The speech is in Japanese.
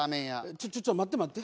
ちょっちょっ待って待って。